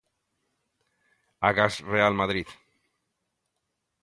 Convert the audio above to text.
Agás Real Madrid.